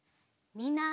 みんな！